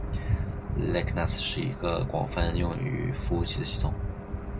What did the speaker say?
Linux 是一个广泛用于服务器的系统